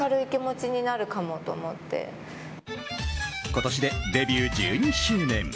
今年でデビュー１２周年。